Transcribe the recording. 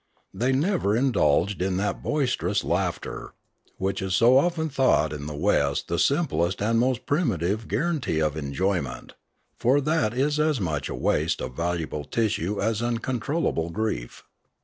They never indulged in that boisterous laughter which is so often thought in the West the simplest and most primitive guaranty of enjoyment; for that is as much a waste of valuable tissue as uncon trollable grief.